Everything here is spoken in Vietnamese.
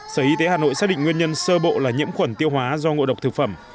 sở y tế hà nội xác định nguyên nhân sơ bộ là nhiễm khuẩn tiêu hóa do ngộ độc thực phẩm